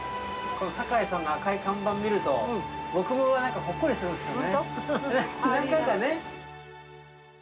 さかいさんの赤い看板見ると、僕もなんかほっこりするんですけどね。